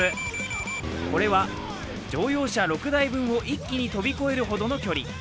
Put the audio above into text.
これは、乗用車６台分を一気に飛び越えるほどの距離。